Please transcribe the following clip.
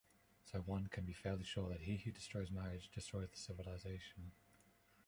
So one can be fairly sure that he who destroys marriage destroys the civilization.